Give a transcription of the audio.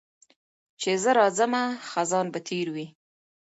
چي زه راځمه خزان به تېر وي